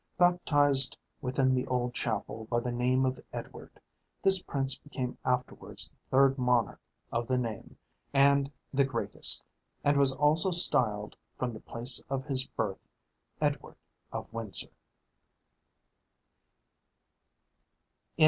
Baptized within the old chapel by the name of Edward, this prince became afterwards the third monarch of the name, and the greatest, and was also styled, from the place of his birth, EDWARD OF WINDSOR.